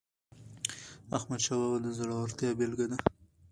احمدشاه بابا د زړورتیا بېلګه ده.